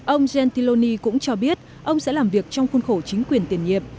ông gentiloni cũng cho biết ông sẽ làm việc trong khuôn khổ chính quyền tiền hiệp